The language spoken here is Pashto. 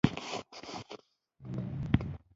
له يوې کېږدۍ يو تور چاغ سړی راووت.